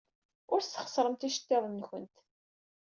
Ur tesxeṣremt iceḍḍiḍen-nwent.